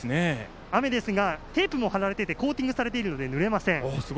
雨ですが、テープでコーティングされているのでぬれません。